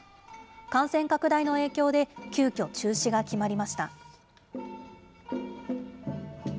感染拡大の影響で急きょ、中止が決まりました。